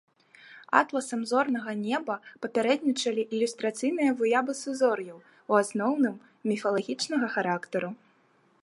Атласам зорнага неба папярэднічалі ілюстрацыйныя выявы сузор'яў, у асноўным, міфалагічнага характару.